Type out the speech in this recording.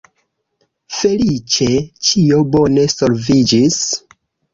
Feliĉe ĉio bone solviĝis.